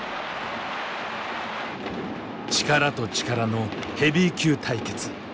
力と力のヘビー級対決。